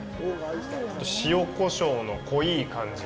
塩、こしょうの濃い感じ。